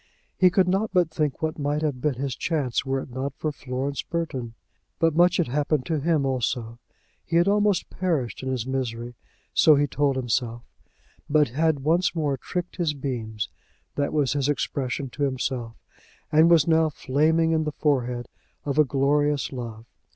He could not but think what might have been his chance were it not for Florence Burton! But much had happened to him also. He had almost perished in his misery; so he told himself; but had once more "tricked his beams," that was his expression to himself, and was now "flaming in the forehead" of a glorious love.